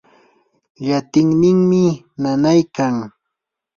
ñatinninmi nanaykan.